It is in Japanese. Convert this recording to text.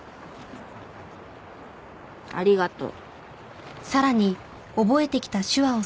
ありがとう。